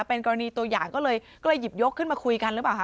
เป็นกรณีตัวอย่างก็เลยหยิบยกขึ้นมาคุยกันหรือเปล่าค